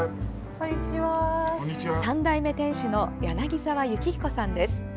３代目店主の柳澤幸彦さんです。